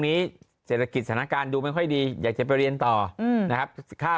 เศรษฐกิจสถานการณ์ดูไม่ค่อยดีอยากจะไปเรียนต่อนะครับค่า